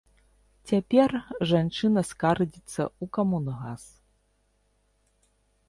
Цяпер жанчына скардзіцца ў камунгас.